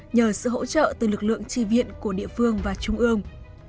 nhờ sự hỗ trợ từ lực lượng tri viện của địa phương